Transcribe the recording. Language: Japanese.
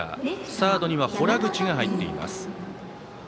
サードには洞口が入っています。